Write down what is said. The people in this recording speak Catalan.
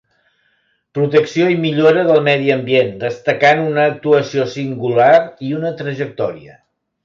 Protecció i millora del medi ambient, destacant una actuació singular i una trajectòria.